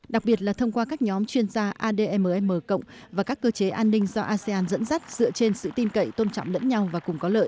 đặc biệt là thông qua các nhóm chuyên gia admm cộng và các cơ chế an ninh do asean dẫn dắt dựa trên sự tin cậy tôn trọng lẫn nhau và cùng có lợi